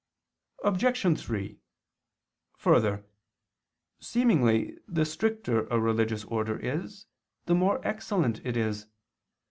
Obj. 3: Further, seemingly the stricter a religious order is, the more excellent it is.